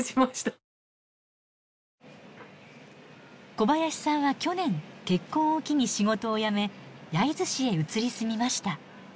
小林さんは去年結婚を機に仕事を辞め焼津市へ移り住みました。